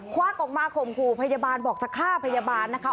วักออกมาข่มขู่พยาบาลบอกจะฆ่าพยาบาลนะคะ